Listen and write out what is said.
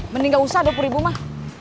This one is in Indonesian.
mending gak usah dua puluh ribu mah